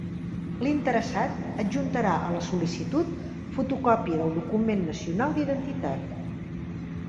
L'interessat adjuntarà a la sol·licitud fotocòpia del document nacional d'identitat.